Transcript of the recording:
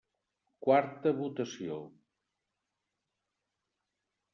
Quarta votació.